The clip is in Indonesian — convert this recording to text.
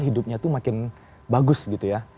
hidupnya tuh makin bagus gitu ya